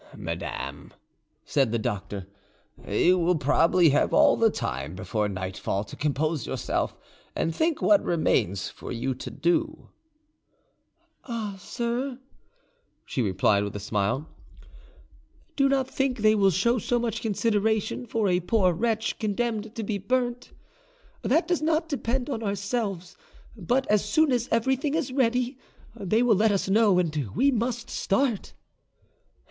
"Madame," said the doctor, "you will probably have all the time before nightfall to compose yourself and think what remains for you to do." "Ah, sir," she replied, with a smile, "do not think they will show so much consideration for a poor wretch condemned to be burnt. That does not depend on ourselves; but as soon as everything is ready, they will let us know, and we must start."